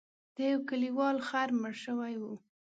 د یو کلیوال خر مړ شوی و.